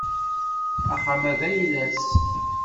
Axxam-a d ayla-s.